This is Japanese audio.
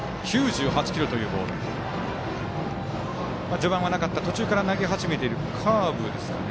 序盤はなかった途中から投げ始めているカーブですかね。